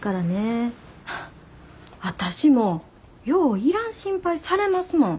私もよういらん心配されますもん。